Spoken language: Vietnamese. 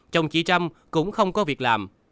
chồng chị trâm cũng không có việc làm